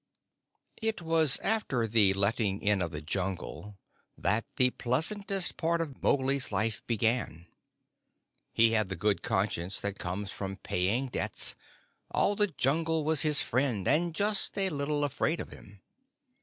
RED DOG It was after the letting in of the Jungle that the pleasantest part of Mowgli's life began. He had the good conscience that comes from paying debts; all the Jungle was his friend, and just a little afraid of him.